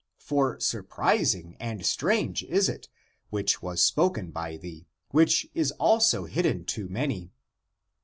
For surprising and strange is that which was spoken by thee, which is also hidden to many."